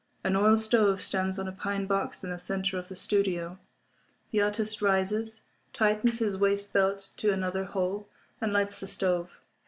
An oil stove stands on a pine box in the centre of the studio. The artist rises, tightens his waist belt to another hole, and lights the stove.